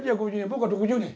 僕は６０年。